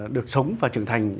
được sống và trưởng thành